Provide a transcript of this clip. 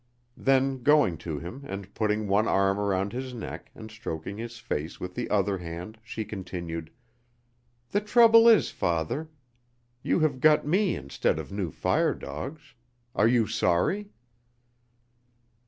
Then, going to him and putting one arm around his neck and stroking his face with the other hand, she continued: "The trouble is, father, you have got me instead of new fire dogs; are you sorry?"